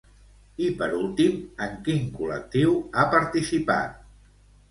I per últim, en quin col·lectiu ha participat?